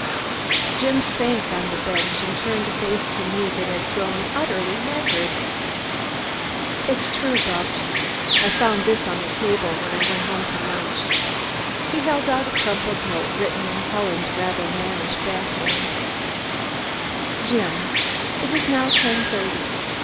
Jim sank on a bench and turned a face to me that had grown utterly haggard. "It's true, Bupps! I found this on the table when I went home to lunch." He held out a crumpled note written in Helen's rather mannish back hand. "Jim, "It is now ten thirty.